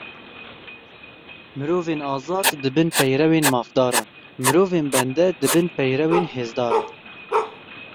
Mirovên azad, dibin peyrewên mafdaran. Mirovên bende dibin peyrewên hêzdaran.